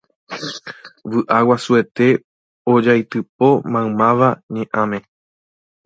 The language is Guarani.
Vy'a guasuete ojaitypo maymáva ñe'ãme.